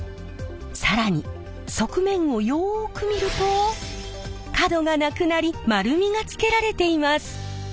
更に側面をよく見ると角がなくなり丸みがつけられています。